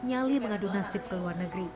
nyali mengadu nasib ke luar negeri